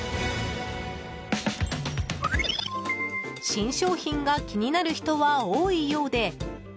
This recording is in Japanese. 新商品が気になる人は多いようで。